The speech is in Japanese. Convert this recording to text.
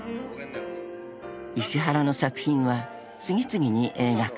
［石原の作品は次々に映画化］